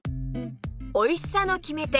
おいしさの決め手！